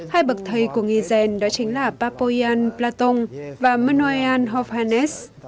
hai bậc thầy của nghề rèn đó chính là papoyan platon và manoyan hovhannes